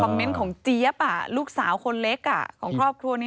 เมนต์ของเจี๊ยบลูกสาวคนเล็กของครอบครัวนี้